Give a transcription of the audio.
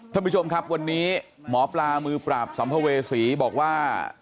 ท่านผู้ชมครับวันนี้หมอปลามือปราบสัมภเวษีบอกว่า